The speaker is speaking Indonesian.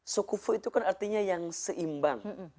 sukufu itu kan artinya yang seimbang